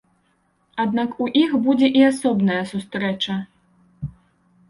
Аднак у іх будзе і асобная сустрэча.